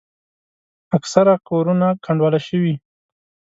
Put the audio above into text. اکثره کورونه کنډواله شوي.